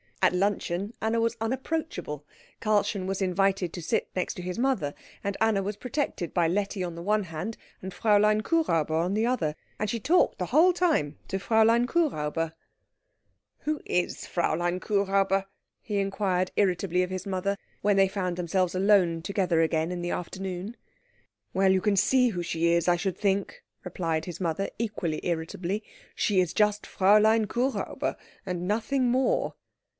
At luncheon Anna was unapproachable. Karlchen was invited to sit next to his mother, and Anna was protected by Letty on the one hand and Fräulein Kuhräuber on the other, and she talked the whole time to Fräulein Kuhräuber. "Who is Fräulein Kuhräuber?" he inquired irritably of his mother, when they found themselves alone together again in the afternoon. "Well, you can see who she is, I should think," replied his mother equally irritably. "She is just Fräulein Kuhräuber, and nothing more."